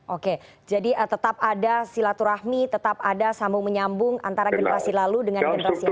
oke jadi tetap ada silaturahmi tetap ada sambung menyambung antara generasi lalu dengan generasi yang lain